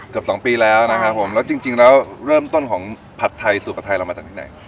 เกือบสองปีแล้วนะครับผมแล้วจริงแล้วเริ่มต้นของผัดไทยสูตรผัดไทยเรามาจากที่ไหน